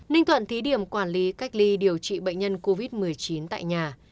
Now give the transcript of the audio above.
ninh thuận thí điểm quản lý cách ly điều trị bệnh nhân covid một mươi chín tại nhà